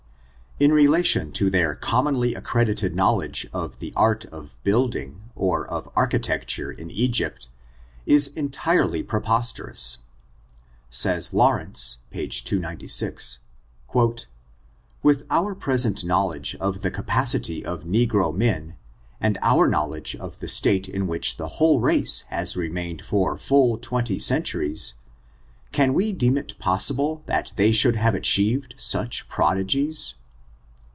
In relation to their commonly accredited knowledge of the art of building, or of architecture, in Egypt, is entirely preposterous. '^ With our present knowl edge (says Lawrence, page 296) of the capacity of begro men, and our knowledge of the state in which the whole race has remained for full twenty centuries, can we deem it possible that they should have achiev ed such prodigies